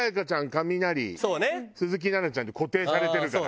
カミナリ鈴木奈々ちゃんで固定されてるから。